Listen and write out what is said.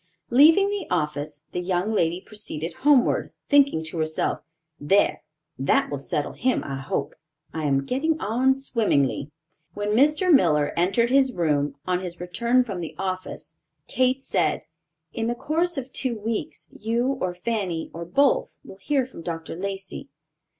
Leaving the office, the young lady proceeded homeward, thinking to herself, "There, that will settle him, I hope. I am getting on swimmingly." When Mr. Miller entered his room, on his return from the office, Kate said, "In the course of two weeks, you or Fanny or both, will hear from Dr. Lacey."